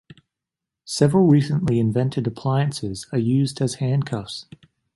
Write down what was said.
Several recently invented appliances are used as handcuffs.